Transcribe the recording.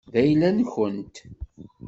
D ayla-nkent.